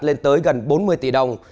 lên tới gần bốn mươi tỷ đồng